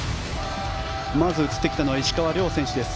まず、映ってきたのは石川遼選手です。